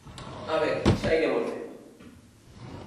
"A ver, xa iremos vendo".